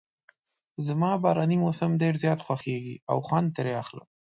زما باراني موسم ډېر زیات خوښیږي او خوند ترې اخلم.